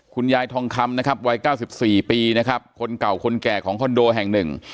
ทองคำนะครับวัยเก้าสิบสี่ปีนะครับคนเก่าคนแก่ของคอนโดแห่งหนึ่ง